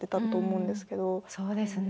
そうですね。